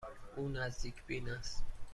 او نزدیک بین است.